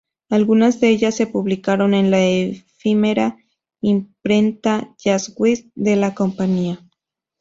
Algunas de ellas se publicaron en la efímera imprenta Jazz West de la compañía.